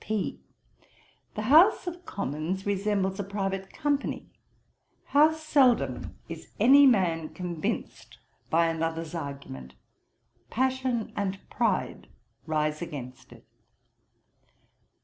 P. 'The House of Commons resembles a private company. How seldom is any man convinced by another's argument; passion and pride rise against it.'